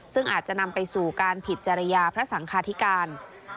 ซึ่งอาจจะนำไปสู่การผิดจริยาพระสังคาธิการ